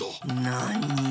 なに？